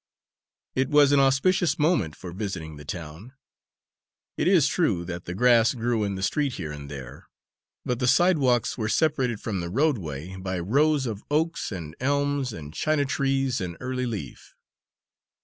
It was an auspicious moment for visiting the town. It is true that the grass grew in the street here and there, but the sidewalks were separated from the roadway by rows of oaks and elms and china trees in early leaf.